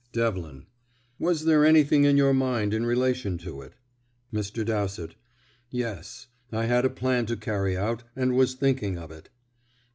Devlin: "Was there anything in your mind in relation to it?" Mr. Dowsett: "Yes. I had a plan to carry out, and was thinking of it."